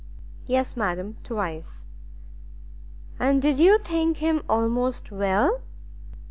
"Yes madam, twice." "And did you think him almost well?"